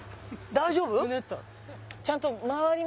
大丈夫？